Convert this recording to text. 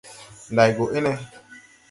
Nday gɔ ene?